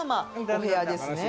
お部屋ですね。